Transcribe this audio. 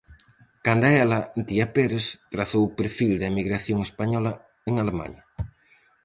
Canda ela, Antía Pérez trazou o perfil da emigración española en Alemaña.